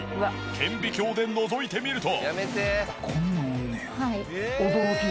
顕微鏡でのぞいてみると。